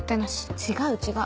違う違う。